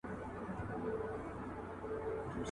مسکين ته د کلا د سپو سلا يوه ده.